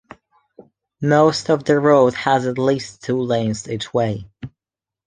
Most of the road has at least to lanes each way.